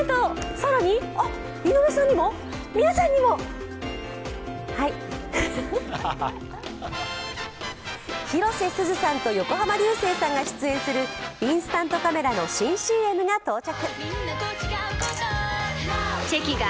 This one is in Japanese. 更に、井上さんにも、皆さんにも。広瀬すずさんと横浜流星さんが出演するインスタントカメラの新ＣＭが到着。